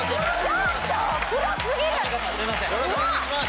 よろしくお願いします。